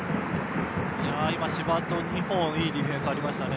今、柴戸は２本いいディフェンスありましたね。